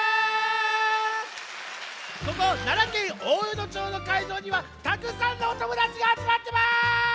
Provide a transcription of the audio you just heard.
ここ奈良県大淀町のかいじょうにはたくさんのおともだちがあつまってます！